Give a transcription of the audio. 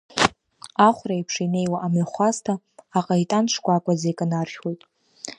Ахәра еиԥш инеиуа амҩахәасҭа, аҟаитан шкәакәаӡа иканаршәуеит.